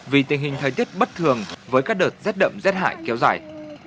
vì tình hình thời tiết bất thường với các đợt rét đậm rét hại kéo dài